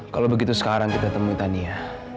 kalau begitu sekarang kita temui tania